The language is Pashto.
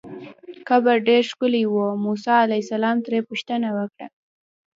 قبر ډېر ښکلی و، موسی علیه السلام ترې پوښتنه وکړه.